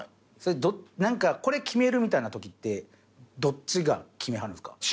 何かこれ決めるみたいなときってどっちが決めはるんですか？